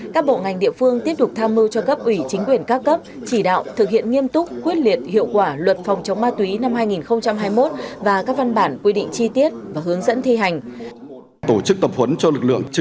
các bộ ngành địa phương tiếp tục tham mưu cho cấp ủy chính quyền các cấp chỉ đạo thực hiện nghiêm túc quyết liệt hiệu quả luật phòng chống ma túy năm hai nghìn hai mươi một và các văn bản quy định chi tiết và hướng dẫn thi hành